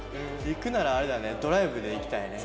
行くならあれだねドライブで行きたいね。